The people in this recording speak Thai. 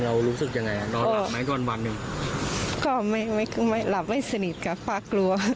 เรารู้สึกยังไงนอนหลับไหมตอนวันนึงก็ไม่ไม่คือไม่หลับไม่สนิทกับป้ากลัว